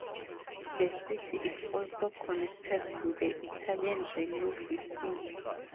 The city is also connected to the Italian railway system.